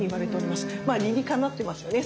まあ理にかなってますよね